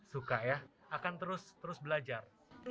suka ya akan terus belajar